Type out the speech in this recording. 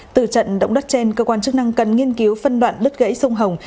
từ trận động đất trên cơ quan chức năng cần nghiên cứu phân đoạn đất gãy sông hồng